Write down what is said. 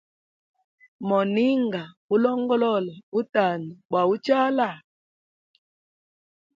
Moninga ulongolola butanda bwa uchala?